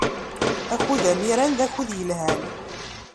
Akud amiran d akud yelhan.